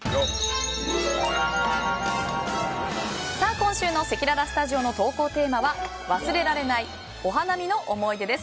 今週のせきららスタジオの投稿テーマは忘れられないお花見の思い出です。